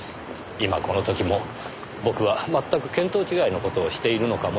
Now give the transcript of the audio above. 今この時も僕は全く見当違いの事をしているのかもしれません。